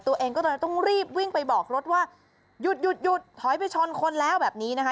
ตัวเองก็เลยต้องรีบวิ่งไปบอกรถว่าหยุดหยุดถอยไปชนคนแล้วแบบนี้นะคะ